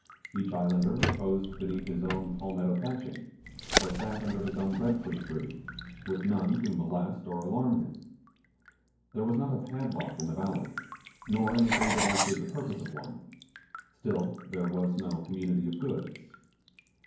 Each islander reposed beneath his own palmetto thatching, or sat under his own bread fruit trees, with none to molest or alarm him. There was not a padlock in the valley, nor anything that answered the purpose of one: still there was no community of goods.